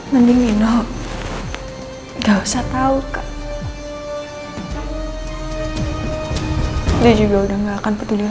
makanya kalo kau ngetik tempera